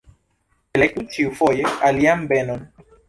Elektu ĉiufoje alian benon.